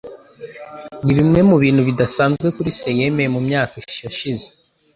Nibimwe mubintu bidasanzwe kuri se yemeye mu myaka yashize.